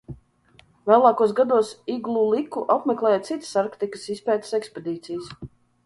Vēlākos gados Igluliku apmeklēja citas Arktikas izpētes ekspedīcijas.